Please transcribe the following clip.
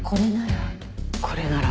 これなら。